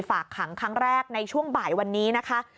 ฝากขังครั้งแรกในช่วงบ่ายวันนี้นะคะ